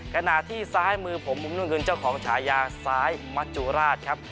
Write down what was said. คณะที่ซ้ายมือผมผมมุ่งเงินเจ้าของชายศาสตร์ซ้ายมะจุราศครับ